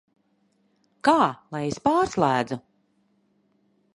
Kā lai es pārslēdzu?